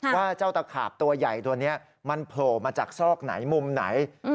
ว่าเจ้าตะขาบตัวใหญ่ตัวนี้มันโผล่มาจากซอกไหนมุมไหน